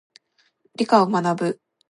理科を学ぶ。